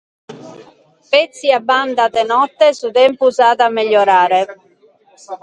Petzi a banda de note su tempus at a megiorare.